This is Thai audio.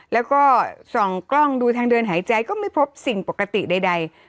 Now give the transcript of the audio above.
แล้วก็ส่องกล้องดูทางเดินหายใจก็ไม่พบสิ่งปกติใด